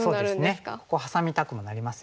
ここハサみたくもなりますよね。